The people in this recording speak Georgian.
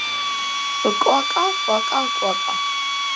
კვაკა კვაკა კვაკა